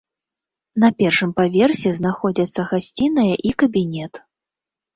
На першым паверсе знаходзяцца гасціная і кабінет.